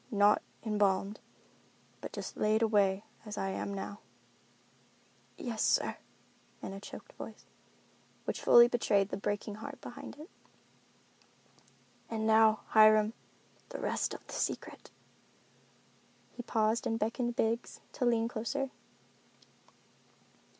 —not embalmed, but just laid away as I am now." "Yes, sir," in a choked voice, which fully betrayed the breaking heart behind it. "And now, Hiram, the rest of the secret." He paused and beckoned Biggs to lean closer.